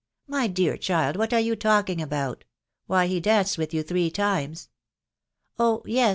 My dear child, what are yon talking aa»ut? TCby, fa danced with you three ♦thnesi.*' "Oh yes.